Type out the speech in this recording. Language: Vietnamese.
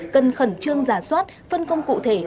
cần khẩn trương giả soát phân công cụ thể